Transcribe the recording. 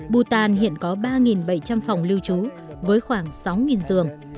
bhutan hiện có ba bảy trăm linh phòng lưu trú với khoảng sáu giường